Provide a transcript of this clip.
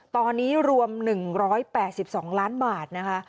ตอนนี้รวม๑๘๒ล้านบาทนะคะ